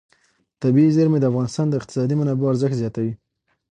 طبیعي زیرمې د افغانستان د اقتصادي منابعو ارزښت زیاتوي.